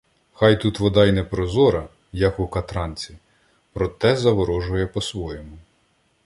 Хай тут вода й не прозора, як у Катранці, проте заворожує по-своєму